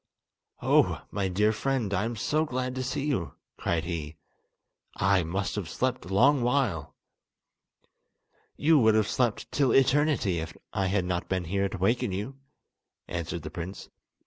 "Oh, my dear friend, I am so glad to see you," cried he, "I must have slept a long while!" "You would have slept till eternity if I had not been here to waken you," answered the prince.